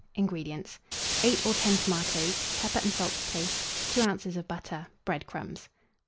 INGREDIENTS. 8 or 10 tomatoes, pepper and salt to taste, 2 oz. of butter, bread crumbs.